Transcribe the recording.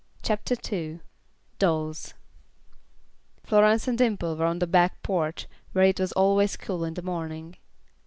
CHAPTER II Dolls Florence and Dimple were on the back porch where it was always cool in the morning.